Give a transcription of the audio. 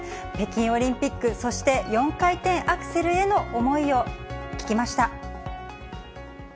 北京オリンピック、そして４回転アクセルへの思いを聞きました。